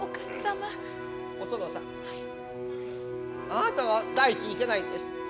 あなたが第一にいけないんです。